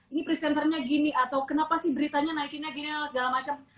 ini presenternya gini atau kenapa sih beritanya naikinnya gini atau segala macem